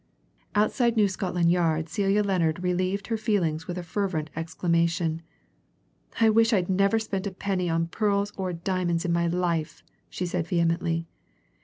Outside New Scotland Yard Celia Lennard relieved her feelings with a fervent exclamation. "I wish I'd never spent a penny on pearls or diamonds in my life!" she said vehemently.